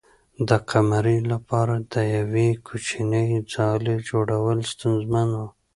د قمرۍ لپاره د یوې کوچنۍ ځالۍ جوړول ستونزمن و.